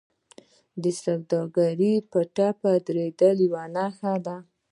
د سوداګرۍ په ټپه درېدل یوه نښه ده